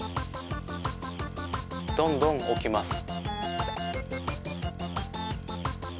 どんどんおきます。